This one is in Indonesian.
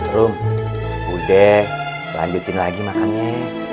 rum udek lanjutin lagi makannya